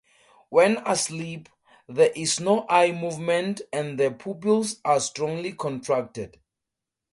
When asleep, there is no eye movement and the pupils are strongly contracted.